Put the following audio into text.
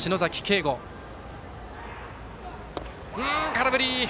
空振り！